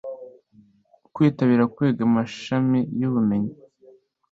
kwitabira kwiga amashami y'ubumenyi